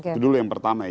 itu dulu yang pertama ya